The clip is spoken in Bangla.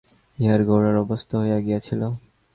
ইহাই গোরার অভ্যস্ত হইয়া গিয়াছিল।